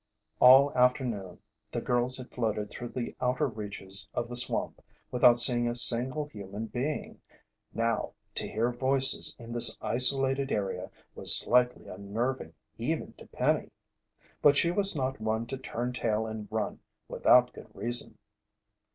All afternoon the girls had floated through the outer reaches of the swamp without seeing a single human being. Now to hear voices in this isolated area was slightly unnerving even to Penny. But she was not one to turn tail and run without good reason.